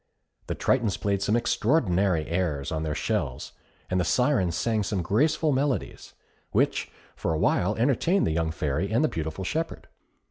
The Tritons played some extraordinary airs on their shells, and the Syrens sang some graceful melodies, which for a while entertained the young Fairy and the beautiful shepherd.